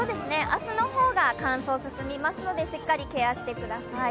明日の方が乾燥が進みますので、しっかりケアしてください。